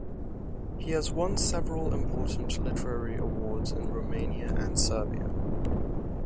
He has won several important literary awards in Romania and Serbia.